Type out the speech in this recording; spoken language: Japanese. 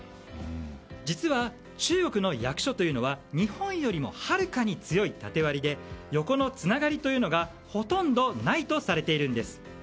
実は、中国の役所というのは日本よりもはるかに強い縦割りで横のつながりというのがほとんどないとされているんです。